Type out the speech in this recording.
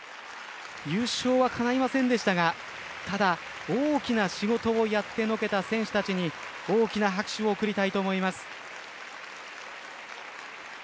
優勝はかないませんでしたがただ、大きな仕事をやってのけた選手たちに大きな拍手を送りたいと思います。